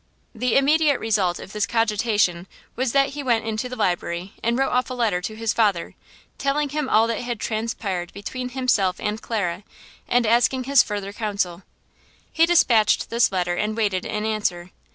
The immediate result of this cogitation was that he went into the library and wrote off a letter to his father, telling him all that had transpired between himself and Clara, and asking his further counsel. He dispatched this letter and waited an answer.